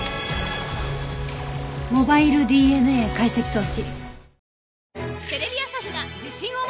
モバイルＤＮＡ解析装置。